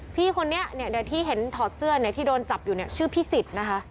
พี่คนนี้ในที่เห็นถอดเสื้อที่โดนจับชื่อพี่สิตนะคะ